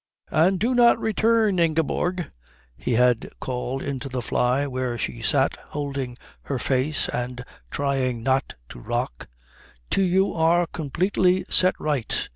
"And do not return, Ingeborg," he had called into the fly where she sat holding her face and trying not to rock, "till you are completely set right.